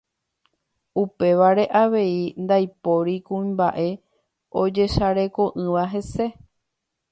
upévare avei ndaipóri kuimba'e ojesareko'ỹva hese.